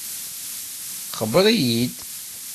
Xebbeṛ-iyi-d.